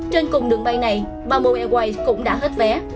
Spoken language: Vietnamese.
trên cùng đường bay này bà mô airways cũng đã hết vé